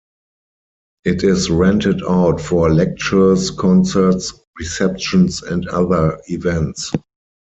It is rented out for lectures, concerts, receptions and other events.